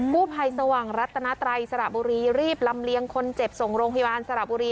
ผู้ภัยสว่างรัตนาไตรสระบุรีรีบลำเลียงคนเจ็บส่งโรงพยาบาลสระบุรี